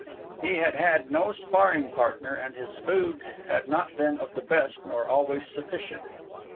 He had had no sparring partner, and his food had not been of the best nor always sufficient.